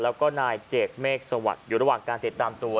แล้วก็นายเจดเมฆสวัสดิ์อยู่ระหว่างการติดตามตัว